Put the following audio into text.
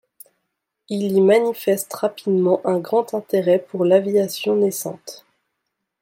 Il y manifeste rapidement un grand intérêt pour l'aviation naissante.